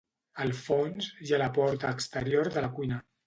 Al fons, hi ha la porta exterior de la cuina.